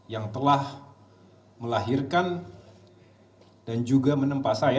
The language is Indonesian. yang telah melahirkan dan juga menempa saya